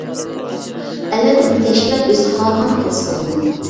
ئەلۋەتتە بۇ تەشكىلات ئۆزى خالىغاننى قىلسا بولمايدۇ.